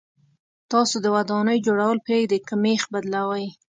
تاسو د ودانۍ جوړول پرېږدئ که مېخ بدلوئ.